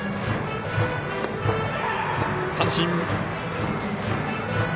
三振。